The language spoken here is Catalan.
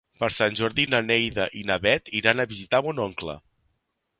Per Sant Jordi na Neida i na Bet iran a visitar mon oncle.